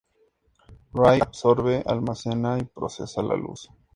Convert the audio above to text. Ray absorbe, almacena y procesa la luz.